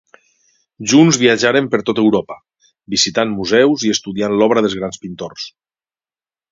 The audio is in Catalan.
Junts viatjaren per tot Europa, visitant museus i estudiant l'obra dels grans pintors.